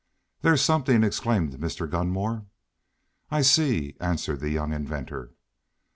"There's something!" exclaimed Mr. Gunmore. "I see!" answered the young inventor.